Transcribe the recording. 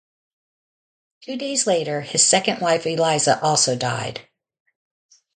Two days later, his second wife Eliza also died.